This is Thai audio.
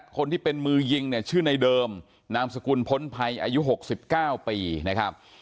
คนที่เป็นมือยิงเนี่ยชื่อในเดิมนามสกุลพ้นภัยอายุ๖๙ปีนะครับ